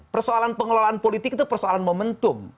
persoalan pengelolaan politik itu persoalan momentum